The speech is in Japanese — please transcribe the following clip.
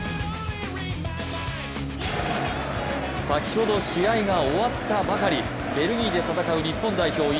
先ほど試合が終わったばかりベルギーで戦う日本代表